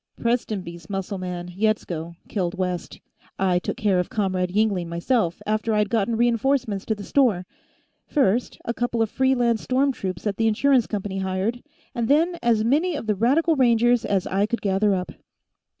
"Prestonby's muscle man, Yetsko, killed West. I took care of Comrade Yingling, myself, after I'd gotten reinforcements to the store first a couple of free lance storm troops that the insurance company hired, and then as many of the Radical Rangers as I could gather up."